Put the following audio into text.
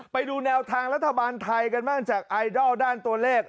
ไปดูแนวทางรัฐบาลไทยกันบ้างจากไอดอลด้านตัวเลข